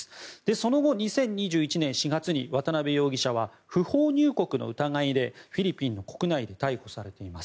その後、２０２１年４月に渡邉容疑者は不法入国の疑いでフィリピンの国内で逮捕されています。